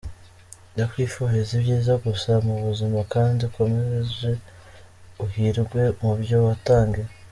Ndakwifuriza ibyiza gusa mu buzima kandi ukomeje uhirwe mu byo watangiye.